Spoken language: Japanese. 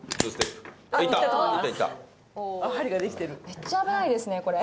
めっちゃ危ないですねこれ。